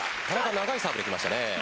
長いサーブできました。